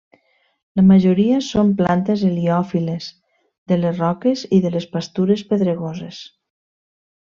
La majoria són plantes heliòfiles de les roques i de les pastures pedregoses.